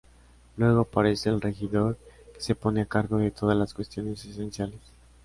Luego, aparece el regidor, que se pone a cargo de todas las cuestiones esenciales.